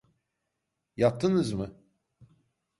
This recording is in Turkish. Yattınız mı?